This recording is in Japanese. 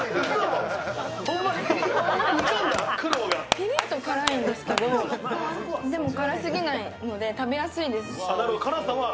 ピリッと辛いんですけど、でも辛すぎないので、食べやすいです。